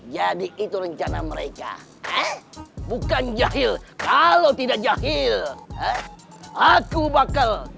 jadi itu rencana mereka bukan jahil kalau tidak jahil aku bakal